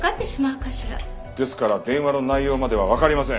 ですから電話の内容まではわかりません！